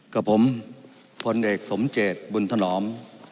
กับผมพลเอกสมเจตบุญถนอม